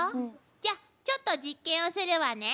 じゃちょっと実験をするわね。